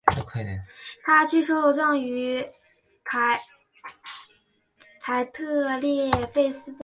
他去世后被葬于腓特烈斯贝的。